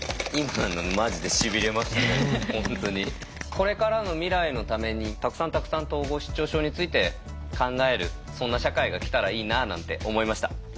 これからの未来のためにたくさんたくさん統合失調症について考えるそんな社会が来たらいいななんて思いました。